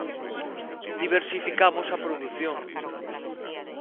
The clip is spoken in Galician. Diversificamos a produción.